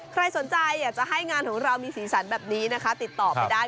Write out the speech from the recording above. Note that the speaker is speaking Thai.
ใครสนใจอยากจะให้งานของเรามีสีสันแบบนี้นะคะติดต่อไปได้